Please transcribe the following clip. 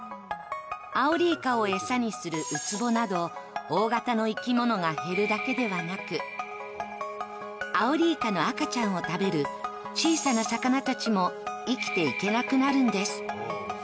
アオリイカを餌にするウツボなど、大型の生き物が減るだけではなくアオリイカの赤ちゃんを食べる小さな魚たちも生きていけなくなるんです。